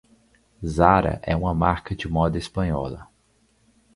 Zara é uma marca de moda espanhola.